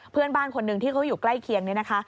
เพื่อนบ้านคนหนึ่งที่เขาอยู่ใกล้เคียงนี่นะคะ